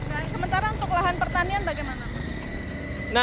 dan sementara untuk lahan pertanian bagaimana pak